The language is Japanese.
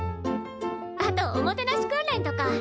あとおもてなし訓練とか。